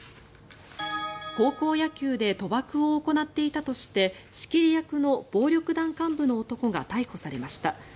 高校野球で賭博を行っていたとして仕切り役の暴力団幹部の男が逮捕されました。